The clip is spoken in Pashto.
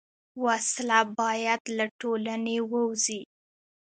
وسله باید له ټولنې ووځي